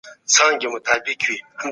سوسياليستي فکر د ملکيت مخالف دی.